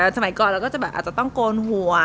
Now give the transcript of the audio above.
สมัยก่อนเราก็จะแบบอาจจะต้องโกนหัว